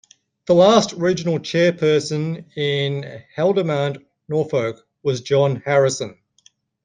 The last regional chairperson in Haldimand-Norfolk was John Harrison.